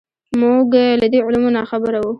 موږ له دې علومو ناخبره وو.